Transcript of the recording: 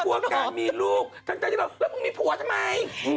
กลัวการมีลูกทั้งแต่ที่เราแล้วมีผัวทำไม